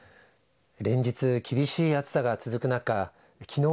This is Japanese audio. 連日厳しい暑さが続く中きのう